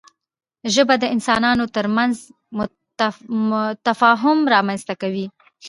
ژبه د انسانانو ترمنځ تفاهم رامنځته کوي